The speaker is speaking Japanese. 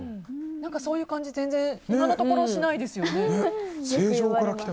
そういう感じが全然今のところしないですね。